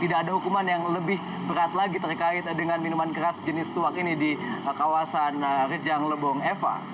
tidak ada hukuman yang lebih berat lagi terkait dengan minuman keras jenis tuak ini di kawasan rejang lebong eva